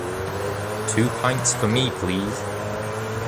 Two pints for me please.